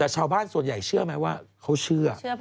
แต่ชาวบ้านส่วนใหญ่เชื่อไหมว่าเขาเชื่อ